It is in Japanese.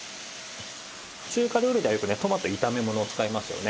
中華料理ではよくねトマト炒めものに使いますよね。